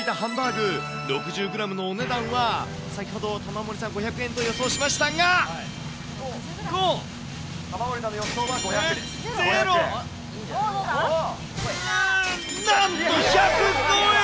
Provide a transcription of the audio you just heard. ６０グラムのお値段は、先ほど、玉森さん、５００円と予想しましたが、５、０、なんと１０５円！